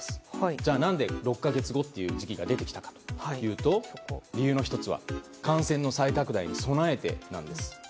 じゃあ、何で６か月後という時期が出てきたかというと理由の１つは感染の再拡大に備えてなんです。